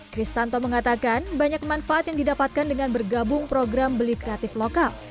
kristanto mengatakan banyak manfaat yang didapatkan dengan bergabung program beli kreatif lokal